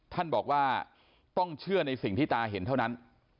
ท่านบอกว่าต้องเชื่อในสิ่งที่ตาเห็นเท่านั้น